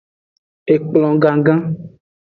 Ekplon gangan.